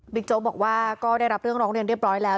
โจ๊กบอกว่าก็ได้รับเรื่องร้องเรียนเรียบร้อยแล้ว